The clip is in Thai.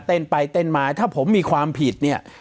เต้นไปเต้นมาถ้าผมมีความผิดเนี่ย